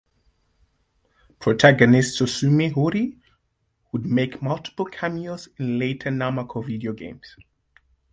Protagonist Susumu Hori would make multiple cameos in later Namco video games.